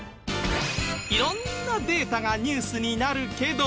色んなデータがニュースになるけど。